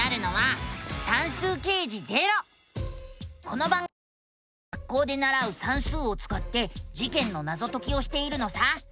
この番組では学校でならう「算数」をつかって事件のナゾ解きをしているのさ。